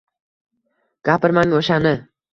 Gapirmang o’shani!..